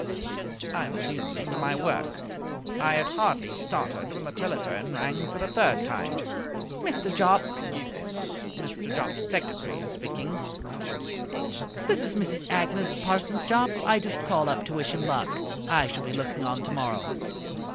I resumed my work. I had hardly started when the telephone rang for the third time. "Mr. Jopp?" "Mr. Jopp's secretary speaking." "This is Mrs. Agnes Parsons Jopp. I just called up to wish him luck. I shall be looking on tomorrow."